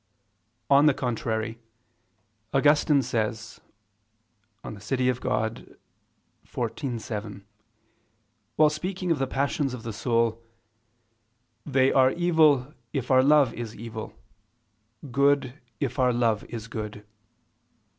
On the contrary, Augustine says (De Civ. Dei xiv, 7) while speaking of the passions of the soul: "They are evil if our love is evil; good if our love is good."